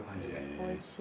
おいしい。